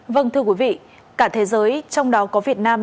vâng thưa quý vị cả thế giới trong đó có việt nam